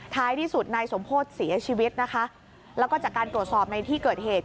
ท้ายที่สุดนายสมโพธิเสียชีวิตนะคะแล้วก็จากการตรวจสอบในที่เกิดเหตุ